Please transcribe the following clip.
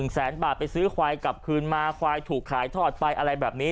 แสนบาทไปซื้อควายกลับคืนมาควายถูกขายทอดไปอะไรแบบนี้